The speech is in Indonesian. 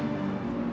lo udah sadar sat